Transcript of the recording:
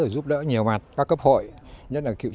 về mặt công tác